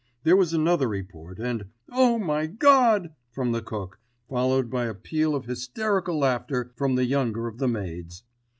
There was another report, and an "Oh my God!" from the cook, followed by a peal of hysterical laughter from the younger of the maids.